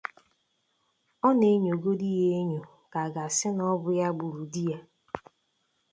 a na-enyògodi ya ènyò ka a ga-asị na ọ bụ ya gburu di ya